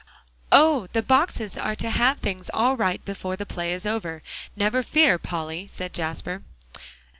"Oh! the boxes are to have things all right before the play is over; never you fear, Polly," said Jasper.